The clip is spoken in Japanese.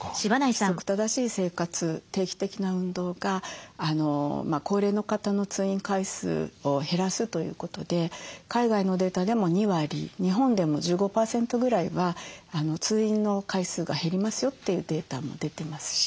規則正しい生活定期的な運動が高齢の方の通院回数を減らすということで海外のデータでも２割日本でも１５％ぐらいは通院の回数が減りますよというデータも出てますし。